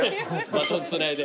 バトンつないで。